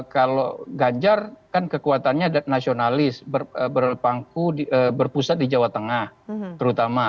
kalau ganjar kan kekuatannya nasionalis berpangku berpusat di jawa tengah terutama